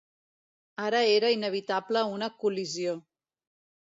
Ara era inevitable una col·lisió.